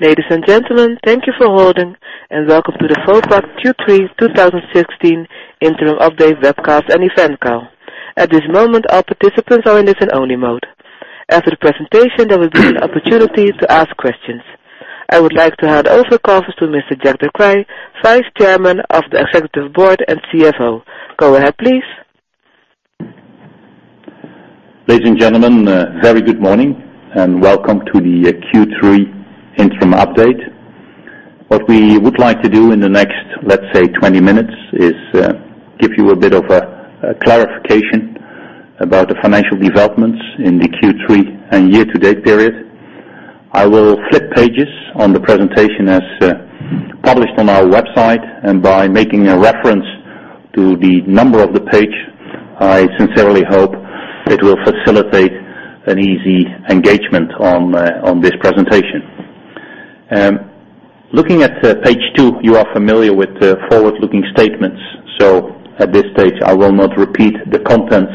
Ladies and gentlemen, thank you for holding and welcome to the Vopak Q3 2016 interim update webcast and event call. At this moment, all participants are in listen-only mode. After the presentation, there will be an opportunity to ask questions. I would like to hand over conference to Mr. Jack de Kreij, Vice Chairman of the Executive Board and CFO. Go ahead, please. Ladies and gentlemen, a very good morning and welcome to the Q3 interim update. What we would like to do in the next, let's say, 20 minutes is give you a bit of a clarification about the financial developments in the Q3 and year-to-date period. I will flip pages on the presentation as published on our website, and by making a reference to the number of the page, I sincerely hope it will facilitate an easy engagement on this presentation. Looking at page two, you are familiar with the forward-looking statements. At this stage, I will not repeat the contents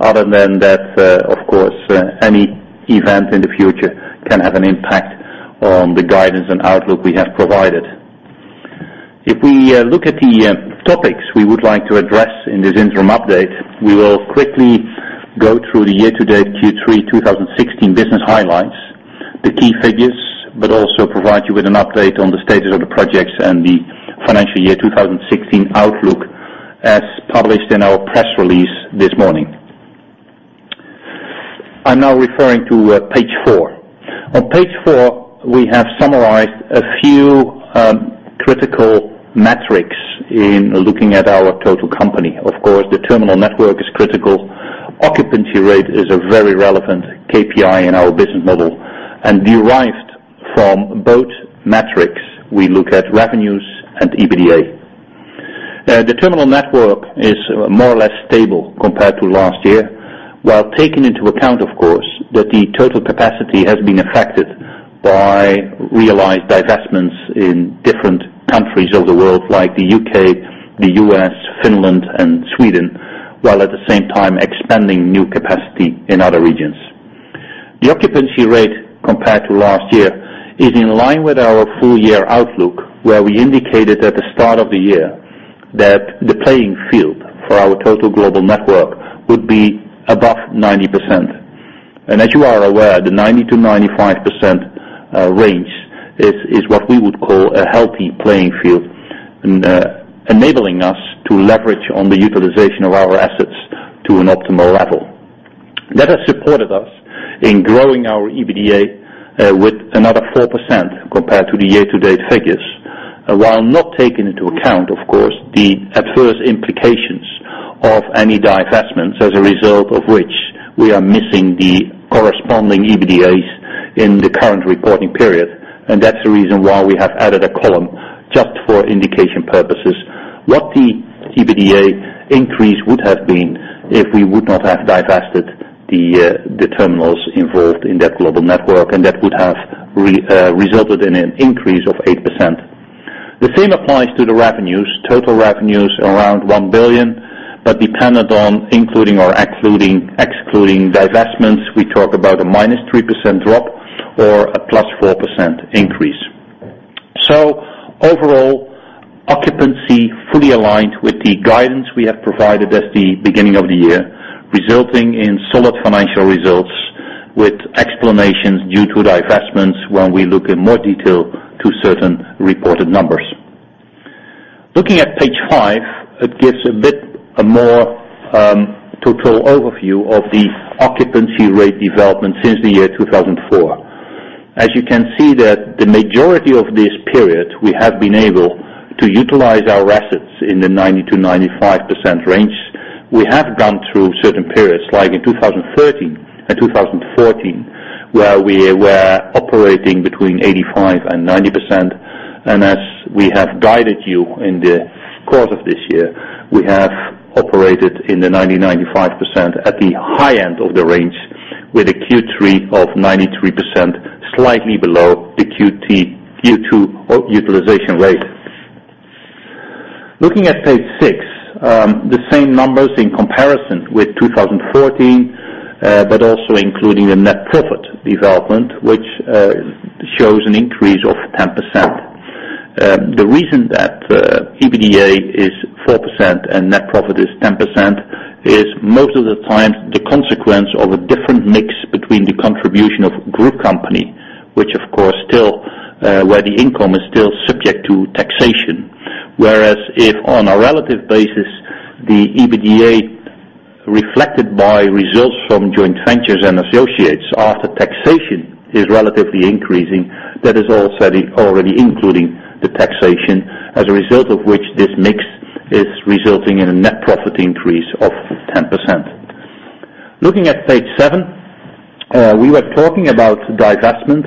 other than that, of course, any event in the future can have an impact on the guidance and outlook we have provided. If we look at the topics we would like to address in this interim update, we will quickly go through the year-to-date Q3 2016 business highlights, the key figures, but also provide you with an update on the status of the projects and the financial year 2016 outlook as published in our press release this morning. I'm now referring to page four. On page four, we have summarized a few critical metrics in looking at our total company. Of course, the terminal network is critical. Occupancy rate is a very relevant KPI in our business model. Derived from both metrics, we look at revenues and EBITDA. The terminal network is more or less stable compared to last year. While taking into account, of course, that the total capacity has been affected by realized divestments in different countries of the world, like the U.K., the U.S., Finland, and Sweden, while at the same time expanding new capacity in other regions. The occupancy rate compared to last year is in line with our full-year outlook, where we indicated at the start of the year that the playing field for our total global network would be above 90%. As you are aware, the 90%-95% range is what we would call a healthy playing field, enabling us to leverage on the utilization of our assets to an optimal level. That has supported us in growing our EBITDA with another 4% compared to the year-to-date figures, while not taking into account, of course, the adverse implications of any divestments, as a result of which we are missing the corresponding EBITDAs in the current reporting period. That's the reason why we have added a column just for indication purposes. What the EBITDA increase would have been if we would not have divested the terminals involved in that global network, and that would have resulted in an increase of 8%. The same applies to the revenues. Total revenues around 1 billion, but dependent on including or excluding divestments, we talk about a -3% drop or a +4% increase. Overall, occupancy fully aligned with the guidance we have provided at the beginning of the year, resulting in solid financial results with explanations due to divestments when we look in more detail to certain reported numbers. Looking at page five, it gives a bit more total overview of the occupancy rate development since the year 2004. As you can see that the majority of this period, we have been able to utilize our assets in the 90%-95% range. We have gone through certain periods, like in 2013 and 2014, where we were operating between 85% and 90%. As we have guided you in the course of this year, we have operated in the 90%, 95% at the high end of the range with a Q3 of 93%, slightly below the Q2 utilization rate. Looking at page six, the same numbers in comparison with 2014, but also including the net profit development, which shows an increase of 10%. The reason that EBITDA is 4% and net profit is 10% is most of the time the consequence of a different mix between the contribution of group company, which of course where the income is still subject to taxation. Whereas if on a relative basis, the EBITDA reflected by results from joint ventures and associates after taxation is relatively increasing, that is already including the taxation, as a result of which this mix is resulting in a net profit increase of 10%. Looking at page seven, we were talking about divestment.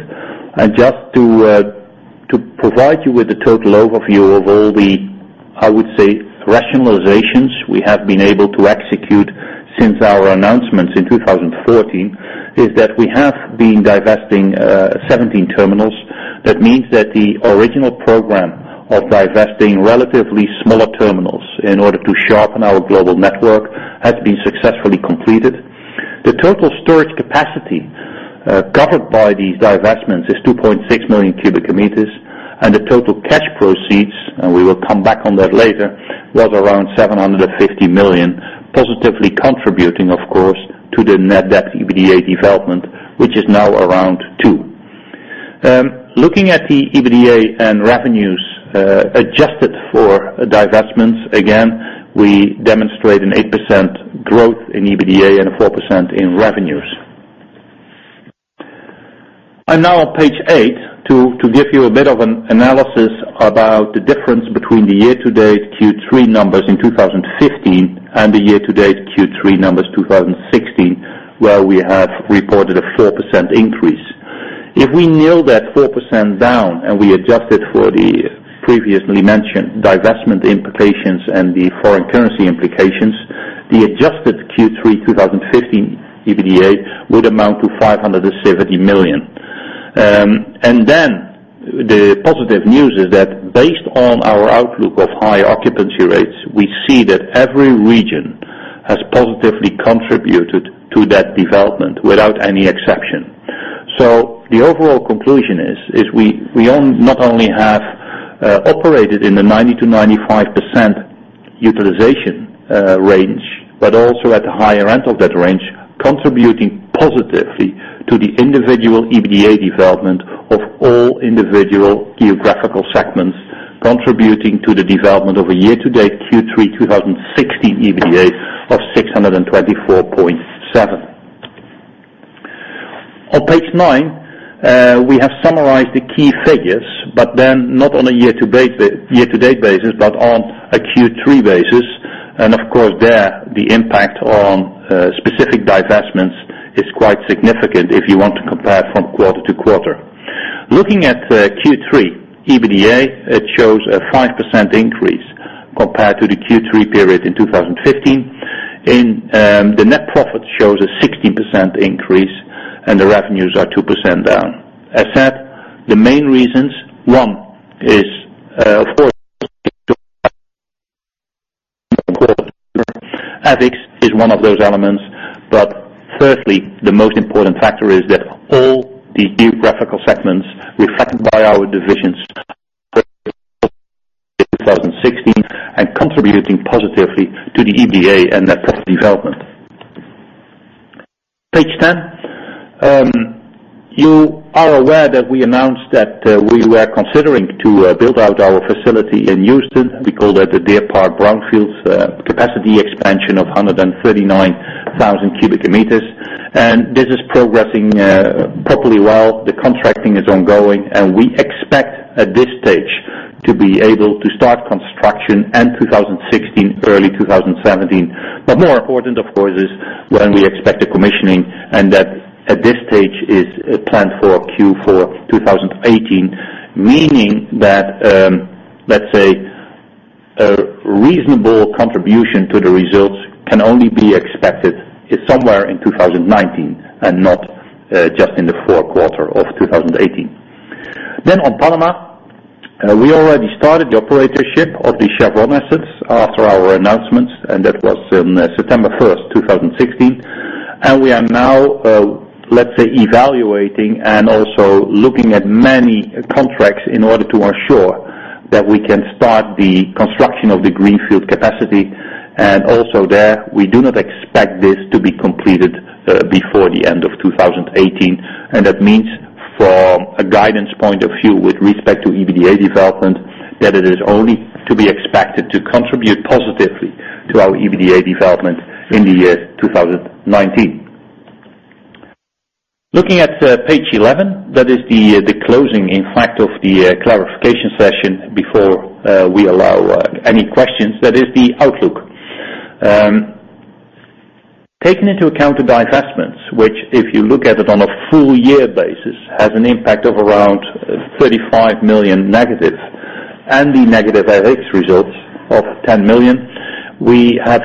Just to provide you with a total overview of all the, I would say, rationalizations we have been able to execute since our announcements in 2014, is that we have been divesting 17 terminals. That means that the original program of divesting relatively smaller terminals in order to sharpen our global network has been successfully completed. The total storage capacity covered by these divestments is 2.6 million cubic meters, and the total cash proceeds, and we will come back on that later, was around 750 million, positively contributing, of course, to the net debt EBITDA development, which is now around 2. Looking at the EBITDA and revenues adjusted for divestments, again, we demonstrate an 8% growth in EBITDA and a 4% in revenues. Now on page eight, to give you a bit of an analysis about the difference between the year-to-date Q3 numbers in 2015 and the year-to-date Q3 numbers 2016, where we have reported a 4% increase. If we nail that 4% down and we adjust it for the previously mentioned divestment implications and the foreign currency implications, the adjusted Q3 2015 EBITDA would amount to 570 million. Then the positive news is that based on our outlook of high occupancy rates, we see that every region has positively contributed to that development without any exception. The overall conclusion is we not only have operated in the 90%-95% utilization range, but also at the higher end of that range, contributing positively to the individual EBITDA development of all individual geographical segments, contributing to the development of a year-to-date Q3 2016 EBITDA of 624.7. On page nine, we have summarized the key figures, but then not on a year-to-date basis, but on a Q3 basis. Of course there, the impact on specific divestments is quite significant if you want to compare from quarter to quarter. Looking at Q3 EBITDA, it shows a 5% increase compared to the Q3 period in 2015. The net profit shows a 16% increase and the revenues are 2% down. As said, the main reasons, one is, of course, FX is one of those elements, but firstly, the most important factor is that all the geographical segments reflected by our divisions 2016 and contributing positively to the EBITDA and net profit development. Page 10. You are aware that we announced that we were considering to build out our facility in Houston. We call that the Deer Park Brownfields capacity expansion of 139,000 cubic meters. This is progressing properly well. The contracting is ongoing and we expect at this stage to be able to start construction end 2016, early 2017. More important, of course, is when we expect a commissioning and that at this stage is planned for Q4 2018, meaning that, let's say, a reasonable contribution to the results can only be expected somewhere in 2019 and not just in the fourth quarter of 2018. On Panama, we already started the operatorship of the Chevron assets after our announcements, and that was on September 1st, 2016. We are now, let's say, evaluating and also looking at many contracts in order to ensure that we can start the construction of the Greenfield capacity. Also there, we do not expect this to be completed before the end of 2018. That means from a guidance point of view with respect to EBITDA development, that it is only to be expected to contribute positively to our EBITDA development in the year 2019. Looking at page 11, that is the closing, in fact, of the clarification session before we allow any questions. That is the outlook. Taking into account the divestments, which if you look at it on a full year basis, has an impact of around 35 million negative and the negative FX results of 10 million. We have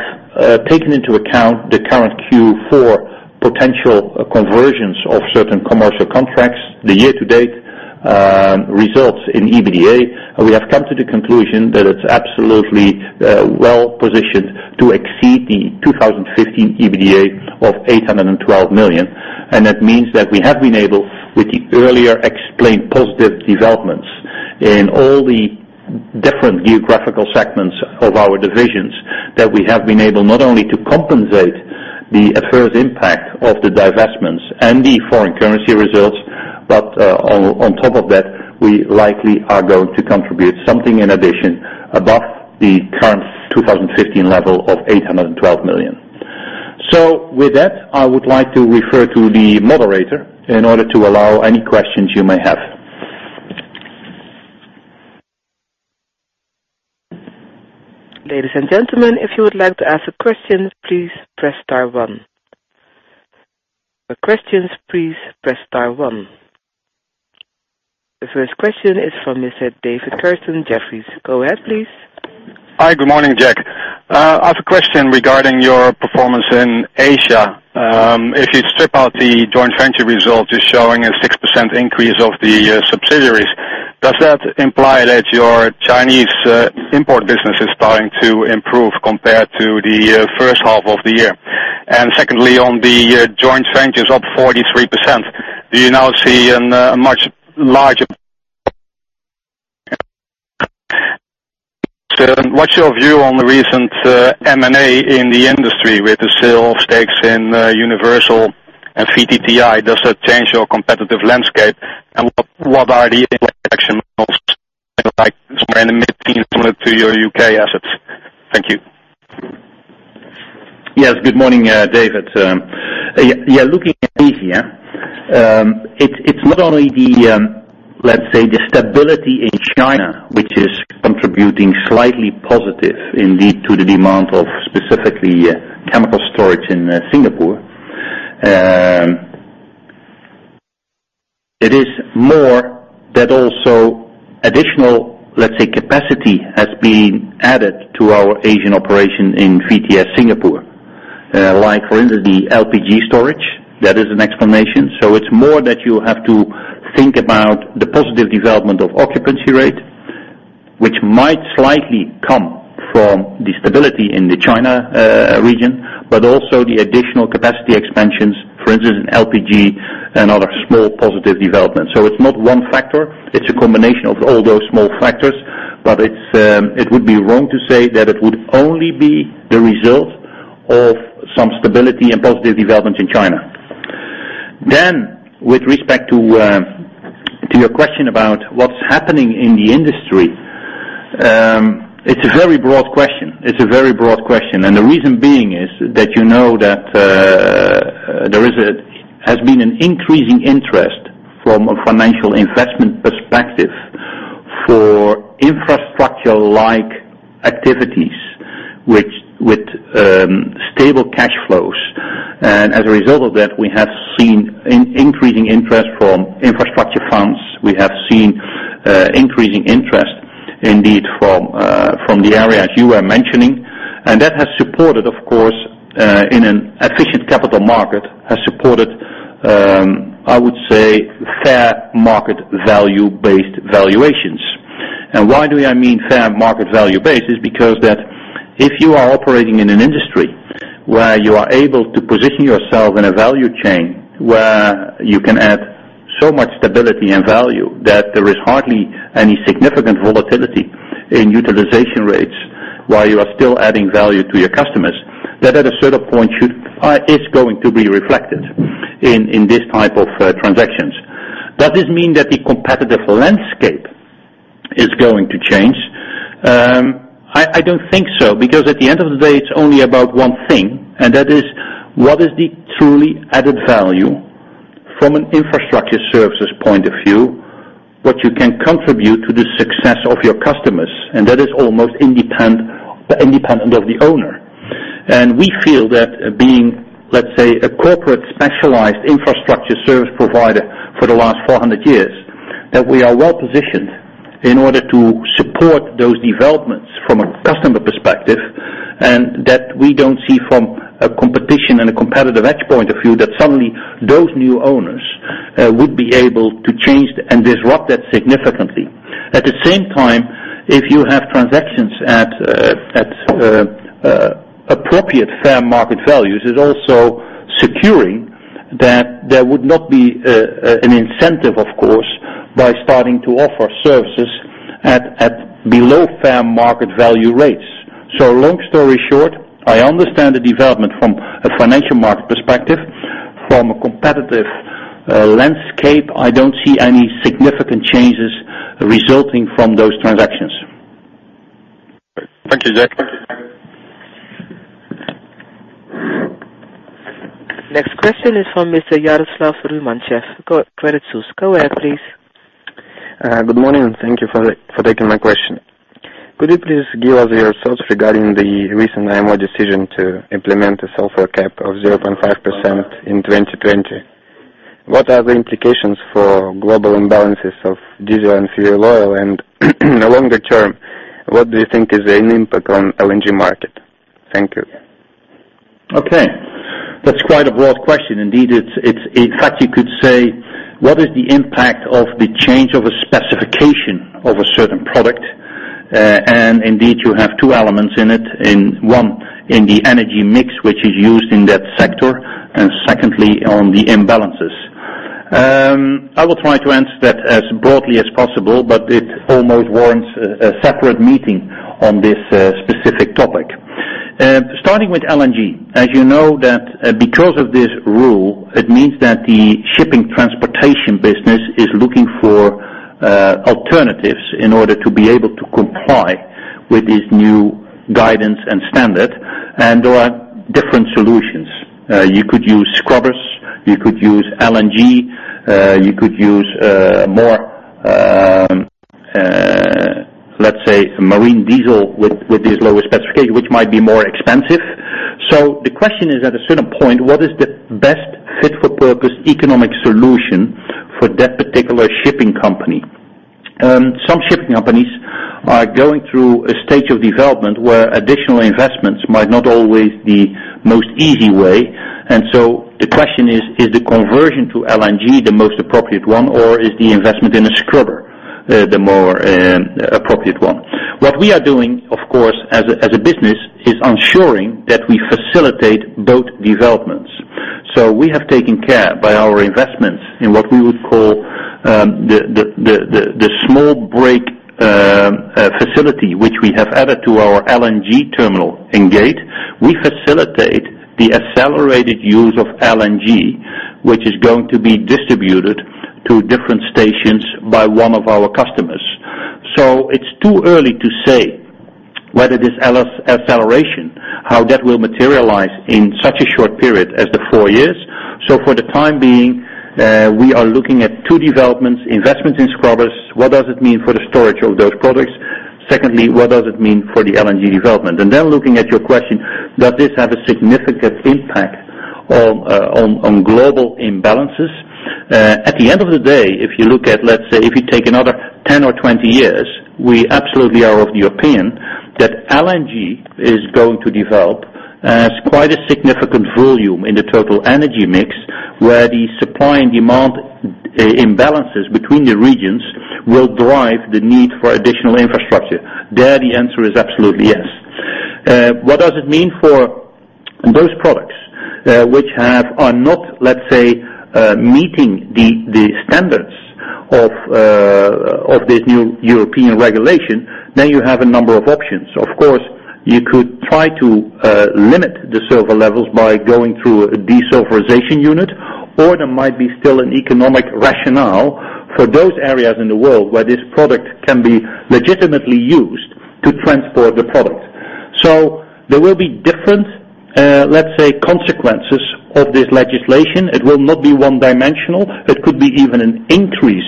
taken into account the current Q4 potential conversions of certain commercial contracts, the year-to-date results in EBITDA. We have come to the conclusion that it's absolutely well-positioned to exceed the 2015 EBITDA of 812 million. That means that we have been able, with the earlier explained positive developments in all the different geographical segments of our divisions, that we have been able not only to compensate the adverse impact of the divestments and the foreign currency results, but on top of that, we likely are going to contribute something in addition above the current 2015 level of 812 million. With that, I would like to refer to the moderator in order to allow any questions you may have. Ladies and gentlemen, if you would like to ask a question, please press star one. For questions, please press star one. The first question is from Mr. David Kerstens, Jefferies. Go ahead, please. Hi. Good morning, Jack. I have a question regarding your performance in Asia. If you strip out the joint venture result is showing a 6% increase of the subsidiaries. Does that imply that your Chinese import business is starting to improve compared to the first half of the year? Secondly, on the joint ventures up 43%, do you now see a much larger? What is your view on the recent M&A in the industry with the sale of stakes in Universal Terminal and VTTI? Does that change your competitive landscape? What are the action to your U.K. assets? Thank you. Yes. Good morning, David. Looking at Asia, it is not only the, let us say, the stability in China, which is contributing slightly positive indeed to the demand of specifically chemical storage in Singapore. It is more that also additional capacity has been added to our Asian operation in VTS Singapore. Like for instance, the LPG storage, that is an explanation. So it is more that you have to think about the positive development of occupancy rate, which might slightly come from the stability in the China region, but also the additional capacity expansions, for instance, in LPG and other small positive developments. So it is not one factor. It is a combination of all those small factors, but it would be wrong to say that it would only be the result of some stability and positive development in China. With respect to your question about what is happening in the industry. It's a very broad question. The reason being is that you know that there has been an increasing interest from a financial investment perspective for infrastructure-like activities with stable cash flows. As a result of that, we have seen increasing interest from infrastructure funds. We have seen increasing interest indeed from the areas you were mentioning. That has supported, of course, in an efficient capital market, has supported, I would say, fair market value-based valuations. Why do I mean fair market value base? It is because that if you are operating in an industry where you are able to position yourself in a value chain, where you can add so much stability and value, that there is hardly any significant volatility in utilization rates while you are still adding value to your customers, that at a certain point is going to be reflected in this type of transactions. Does this mean that the competitive landscape is going to change? I don't think so, because at the end of the day, it's only about one thing, and that is what is the truly added value from an infrastructure services point of view, what you can contribute to the success of your customers, and that is almost independent of the owner. We feel that being, let's say, a corporate specialized infrastructure service provider for the last 400 years, that we are well-positioned in order to support those developments from a customer perspective, and that we don't see from a competition and a competitive edge point of view, that suddenly those new owners would be able to change and disrupt that significantly. At the same time, if you have transactions at appropriate fair market values, it's also securing that there would not be an incentive, of course, by starting to offer services at below fair market value rates. Long story short, I understand the development from a financial market perspective. From a competitive landscape, I don't see any significant changes resulting from those transactions. Thank you, Jack. Next question is from Mr. Yaroslav Rumyantsev, Credit Suisse. Go ahead, please. Good morning. Thank you for taking my question. Could you please give us your thoughts regarding the recent IMO decision to implement a sulfur cap of 0.5% in 2020? What are the implications for global imbalances of diesel and fuel oil? In the longer term, what do you think is an impact on LNG market? Thank you. Okay. That's quite a broad question. Indeed, in fact, you could say, what is the impact of the change of a specification of a certain product? Indeed, you have two elements in it. One, in the energy mix, which is used in that sector, and secondly, on the imbalances. I will try to answer that as broadly as possible, but it almost warrants a separate meeting on this specific topic. Starting with LNG, as you know that because of this rule, it means that the shipping transportation business is looking for alternatives in order to be able to comply with this new guidance and standard, and there are different solutions. You could use scrubbers. You could use LNG. You could use more, let's say, marine diesel with this lower specification, which might be more expensive. The question is at a certain point, what is the best fit for purpose economic solution for that particular shipping company? Some shipping companies are going through a stage of development where additional investments might not always be most easy way. The question is: Is the conversion to LNG the most appropriate one, or is the investment in a scrubber the more appropriate one? What we are doing, of course, as a business, is ensuring that we facilitate both developments. We have taken care by our investments in what we would call the small break facility, which we have added to our LNG terminal in Gate. We facilitate the accelerated use of LNG, which is going to be distributed to different stations by one of our customers. It's too early to say whether this acceleration, how that will materialize in such a short period as the 4 years. For the time being, we are looking at two developments, investments in scrubbers. What does it mean for the storage of those products? Secondly, what does it mean for the LNG development? Looking at your question, does this have a significant impact on global imbalances? At the end of the day, if you take another 10 or 20 years, we absolutely are of the opinion that LNG is going to develop as quite a significant volume in the total energy mix, where the supply and demand imbalances between the regions will drive the need for additional infrastructure. There, the answer is absolutely yes. What does it mean for those products which are not meeting the standards of this new European regulation? You have a number of options. Of course, you could try to limit the sulfur levels by going through a desulfurization unit, or there might be still an economic rationale for those areas in the world where this product can be legitimately used to transport the product. There will be different consequences of this legislation. It will not be one-dimensional. It could be even an increase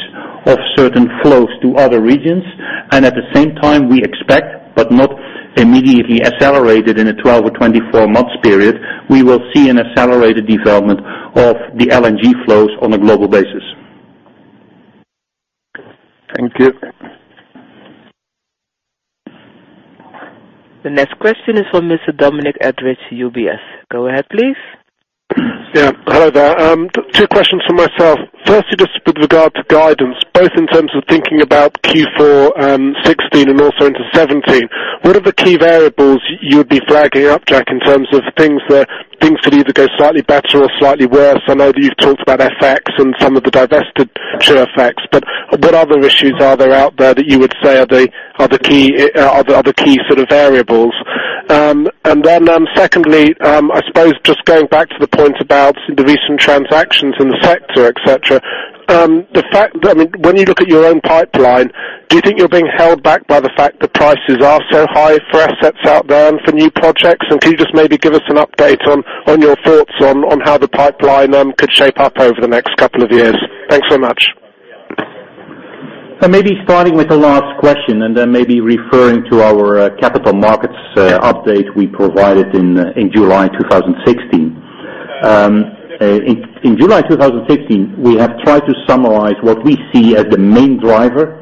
of certain flows to other regions. At the same time, we expect, but not immediately accelerated in a 12 or 24 months period, we will see an accelerated development of the LNG flows on a global basis. Thank you. The next question is from Mr. Dominic Edridge, UBS. Go ahead, please. Yeah. Hello there. Two questions from myself. Firstly, just with regard to guidance, both in terms of thinking about Q4 2016 and also into 2017. What are the key variables you would be flagging up, Jack, in terms of things that could either go slightly better or slightly worse? I know that you've talked about FX and some of the divested share effects, but what other issues are there out there that you would say are the other key sort of variables? Secondly, I suppose just going back to the point about the recent transactions in the sector, et cetera. When you look at your own pipeline, do you think you're being held back by the fact that prices are so high for assets out there and for new projects? Can you just maybe give us an update on your thoughts on how the pipeline could shape up over the next couple of years? Thanks so much. Maybe starting with the last question and then maybe referring to our capital markets update we provided in July 2016. In July 2016, we have tried to summarize what we see as the main driver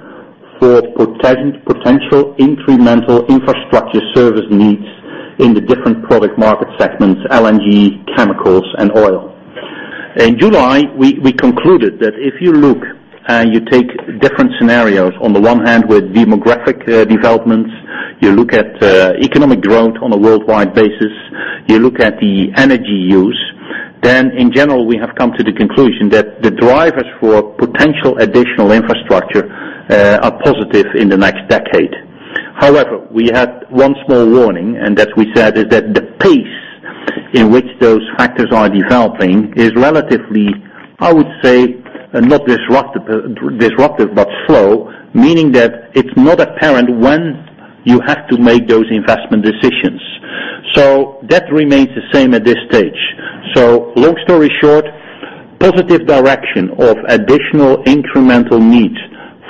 for potential incremental infrastructure service needs in the different product market segments, LNG, chemicals, and oil. In July, we concluded that if you look and you take different scenarios, on the one hand with demographic developments, you look at economic growth on a worldwide basis, you look at the energy use, then, in general, we have come to the conclusion that the drivers for potential additional infrastructure are positive in the next decade. However, we had one small warning, and that we said is that the pace in which those factors are developing is relatively, I would say, not disruptive, but slow. Meaning that it's not apparent when you have to make those investment decisions. That remains the same at this stage. Long story short, positive direction of additional incremental needs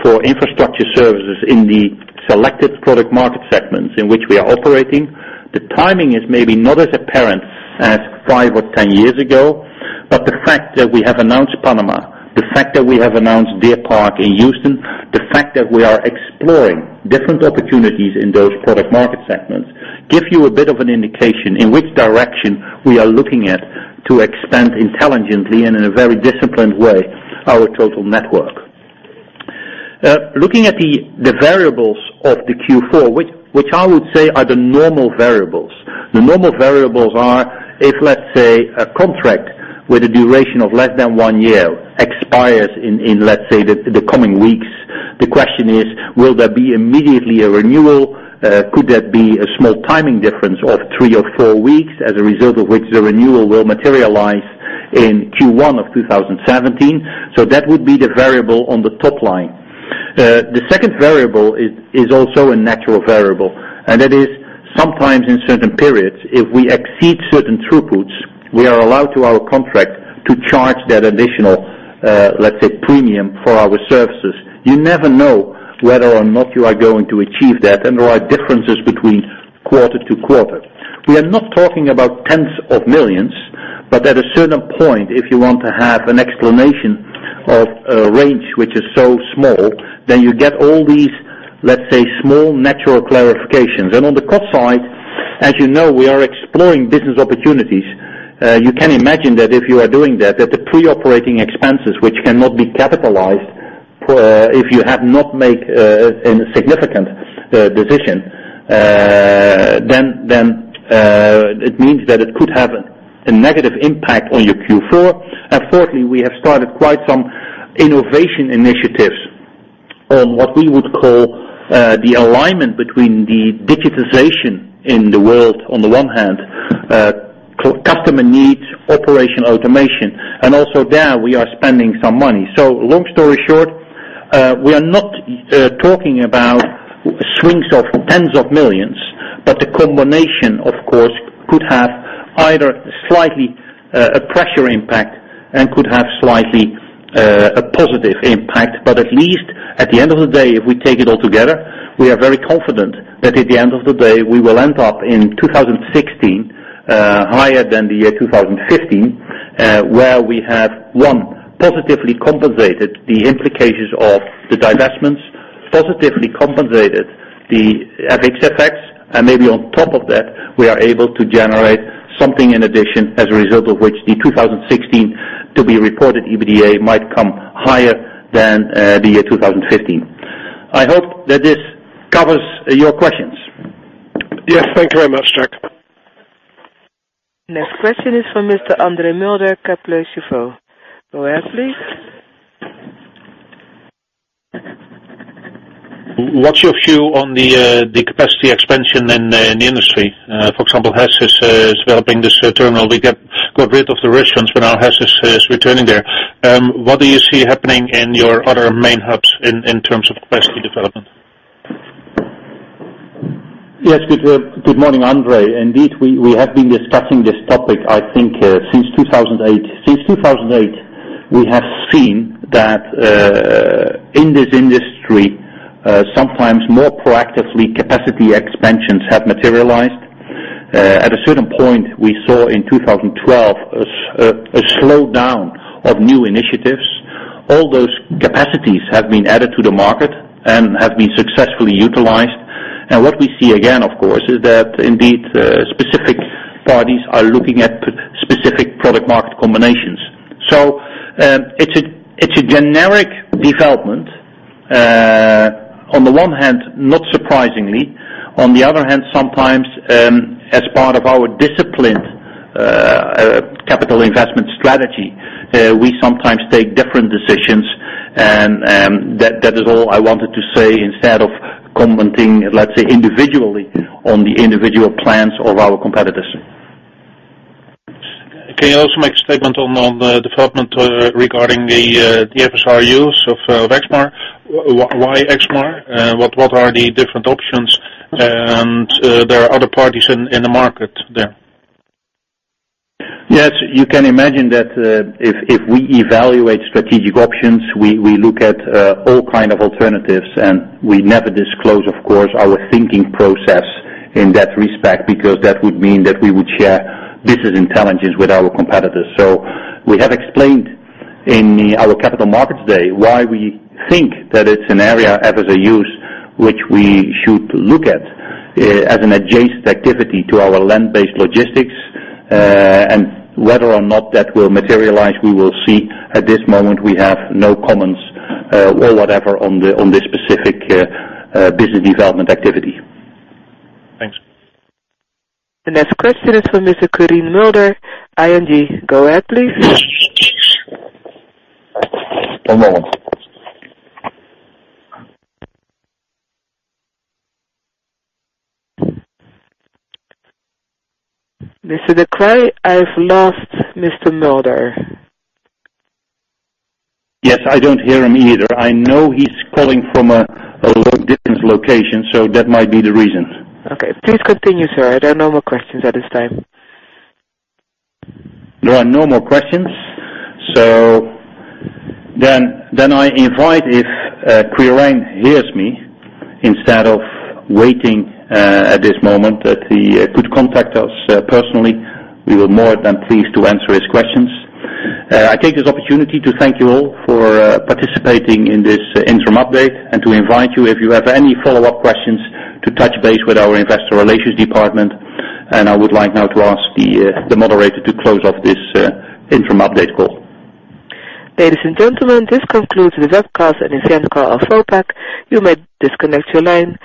for infrastructure services in the selected product market segments in which we are operating. The timing is maybe not as apparent as 5 or 10 years ago. The fact that we have announced Panama, the fact that we have announced Deer Park in Houston, the fact that we are exploring different opportunities in those product market segments, give you a bit of an indication in which direction we are looking at to expand intelligently and in a very disciplined way, our total network. Looking at the variables of the Q4, which I would say are the normal variables. The normal variables are, if let's say, a contract with a duration of less than one year expires in the coming weeks. The question is: Will there be immediately a renewal? Could there be a small timing difference of three or four weeks as a result of which the renewal will materialize in Q1 of 2017? That would be the variable on the top line. The second variable is also a natural variable. That is sometimes in certain periods, if we exceed certain throughputs, we are allowed to our contract to charge that additional premium for our services. You never know whether or not you are going to achieve that, and there are differences between quarter to quarter. We are not talking about tens of millions EUR. At a certain point, if you want to have an explanation of a range which is so small, then you get all these, let's say, small natural clarifications. On the cost side, as you know, we are exploring business opportunities. You can imagine that if you are doing that the pre-operating expenses which cannot be capitalized, if you have not made a significant decision, then it means that it could have a negative impact on your Q4. Fourthly, we have started quite some innovation initiatives on what we would call the alignment between the digitization in the world on the one hand, customer needs, operational automation, and also there we are spending some money. Long story short, we are not talking about swings of tens of millions EUR, but the combination, of course, could have either slightly a pressure impact and could have slightly a positive impact. At least at the end of the day, if we take it all together, we are very confident that at the end of the day, we will end up in 2016, higher than the year 2015, where we have one, positively compensated the implications of the divestments, positively compensated the FX effects, and maybe on top of that, we are able to generate something in addition, as a result of which the 2016 to be reported EBITDA might come higher than the year 2015. I hope that this covers your questions. Yes. Thank you very much, Jack. Next question is from Mr. Andre Mulder, Kepler Cheuvreux. Go ahead, please. What's your view on the capacity expansion in the industry? For example, HES is developing this terminal. We got rid of the Russians, but now HES is returning there. What do you see happening in your other main hubs in terms of capacity development? Yes. Good morning, Andre. Indeed, we have been discussing this topic, I think, since 2008. Since 2008, we have seen that in this industry, sometimes more proactively, capacity expansions have materialized. At a certain point, we saw in 2012 a slowdown of new initiatives. All those capacities have been added to the market and have been successfully utilized. What we see again, of course, is that indeed, specific parties are looking at specific product market combinations. It's a generic development. On the one hand, not surprisingly, on the other hand, sometimes as part of our disciplined capital investment strategy, we sometimes take different decisions, and that is all I wanted to say instead of commenting, let's say, individually on the individual plans of our competitors. Can you also make a statement on the development regarding the FSRU use of EXMAR? Why EXMAR? What are the different options? There are other parties in the market there. Yes. You can imagine that if we evaluate strategic options, we look at all kind of alternatives, and we never disclose, of course, our thinking process in that respect, because that would mean that we would share business intelligence with our competitors. We have explained in our capital markets day why we think that it's an area as a use which we should look at as an adjacent activity to our land-based logistics, and whether or not that will materialize, we will see. At this moment, we have no comments or whatever on this specific business development activity. Thanks. The next question is from Mr. Quirijn Mulder, ING. Go ahead, please. One moment. Mr. de Kreij, I've lost Mr. Mulder. Yes, I don't hear him either. I know he's calling from a long distance location, that might be the reason. Okay. Please continue, sir. There are no more questions at this time. There are no more questions. I invite if Quirijn hears me, instead of waiting at this moment, that he could contact us personally. We were more than pleased to answer his questions. I take this opportunity to thank you all for participating in this interim update and to invite you, if you have any follow-up questions, to touch base with our investor relations department. I would like now to ask the moderator to close off this interim update call. Ladies and gentlemen, this concludes the webcast and interim call of Vopak. You may disconnect your line.